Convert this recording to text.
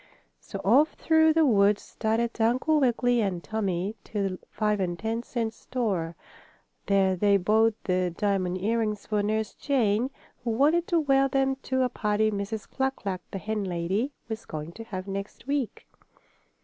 So off through the woods started Uncle Wiggily and Tommie to the five and ten cent store. There they bought the diamond earrings for Nurse Jane, who wanted to wear them to a party Mrs. Cluck Cluck, the hen lady, was going to have next week.